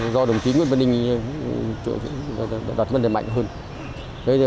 do đồng chí nguyễn văn ninh đặt vấn đề mạnh hơn